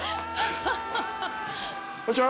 こんにちは！